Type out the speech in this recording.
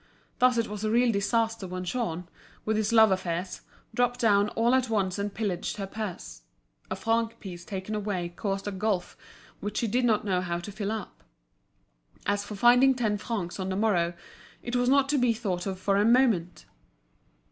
Thus it was a real disaster when Jean, with his love affairs, dropped down all at once and pillaged her purse. A franc piece taken away caused a gulf which she did not know how to fill up. As for finding ten francs on the morrow it was not to be thought of for a moment.